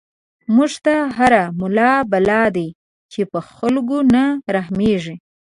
موږ ته هر ملا بلا دی، چی په خلکو نه رحميږی